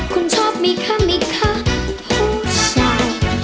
คุณชอบมีเข้ามีเข้าผู้ชาย